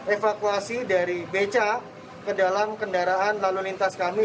evakuasi dari beca ke dalam kendaraan lalu lintas kami